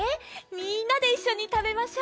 みんなでいっしょにたべましょ。